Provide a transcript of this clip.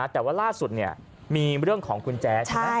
แต่ว่าล่าสุดมีเรื่องของคนแจ๊ส